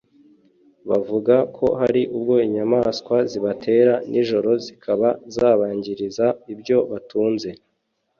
Bavuga ko hari ubwo inyamaswa zibatera nijoro zikaba zabangiriza ibyo batunze